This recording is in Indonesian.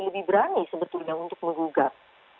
lebih berani sebetulnya untuk menggugat